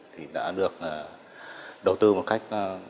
thì đã được đầu tư một cách